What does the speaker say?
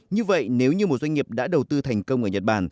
như vậy nếu như một doanh nghiệp đã đầu tư thành công ở nhật bản